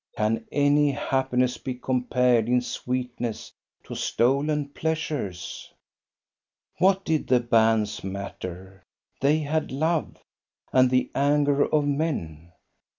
Can any happiness be compared in sweetness to stolen pleasures?" What did the banns matter? They had love. And the anger of men